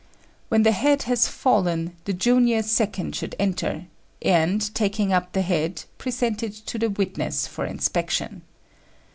When the head has fallen, the junior second should enter, and, taking up the head, present it to the witness for inspection.